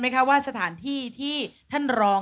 ฟุตซาภาษาอังกฤษ